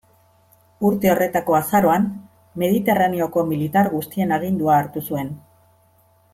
Urte horretako azaroan, Mediterraneoko militar guztien agindua hartu zuen.